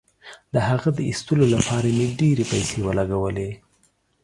د هغه د اخیستلو لپاره مې ډیرې پیسې ولګولې.